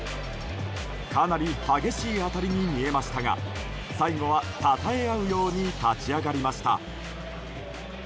かなり激しい当たりに見えましたが最後は、たたえ合うように立ち上がりました。